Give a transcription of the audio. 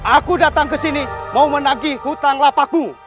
aku datang ke sini mau menagih hutang lapakmu